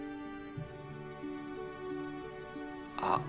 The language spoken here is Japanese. あっ